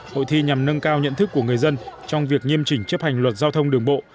hội thi nhằm nâng cao nhận thức của người dân trong việc nghiêm chỉnh chấp hành luật giao thông đường bộ